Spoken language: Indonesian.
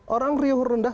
orang riuh rendah